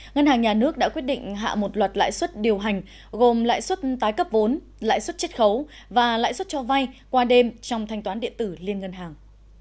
ngân hàng nhà nước đã quyết định hạ một loạt lãi suất điều hành gồm lãi suất tái cấp vốn lãi suất chết khấu và lãi suất cho vay qua đêm trong thanh toán điện tử liên ngân hàng